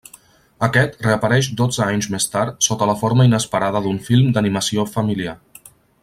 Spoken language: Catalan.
Aquest reapareix dotze anys més tard sota la forma inesperada d'un film d'animació familiar.